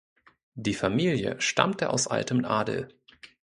Die Familie stammte aus altem Adel.